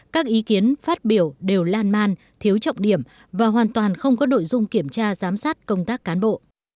các ý kiến phát biểu đều lan man thiếu trọng điểm và hoàn toàn không có nội dung kiểm tra giám sát công tác cán bộ